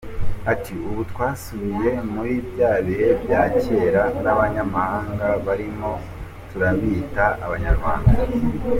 Ati “ Ubu twasubiye muri bya bihe bya cyera n’abanyamahanga barimo turabita Abanyarwanda.